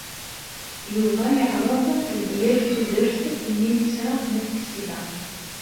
Yuba yeɛreḍ ad d-yerr tudert i Milisa n At Ksila.